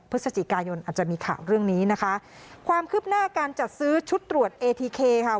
พฤศจิกายนอาจจะมีข่าวเรื่องนี้นะคะความคืบหน้าการจัดซื้อชุดตรวจเอทีเคค่ะ